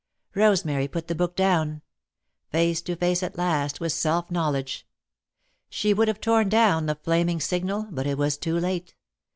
Rosemary put the book down, face to face at last with self knowledge. She would have torn down the flaming signal, but it was too late.